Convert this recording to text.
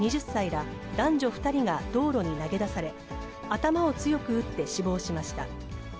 ２０歳ら、男女２人が道路に投げ出され、頭を強く打って死亡しました。